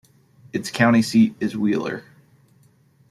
Its county seat is Wheeler.